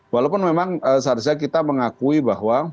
walaupun memang seharusnya kita mengakui bahwa